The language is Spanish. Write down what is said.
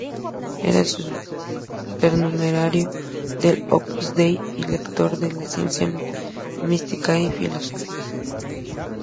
Era supernumerario del Opus Dei y lector de ciencias místicas y filosofía.